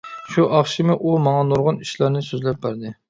شۇ ئاخشىمى ئۇ ماڭا نۇرغۇن ئىشلارنى سۆزلەپ بەردى.